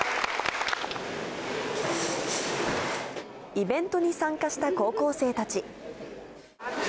イベントに参加した高校生たち。